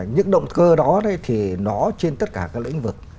những động cơ đó thì nó trên tất cả các lĩnh vực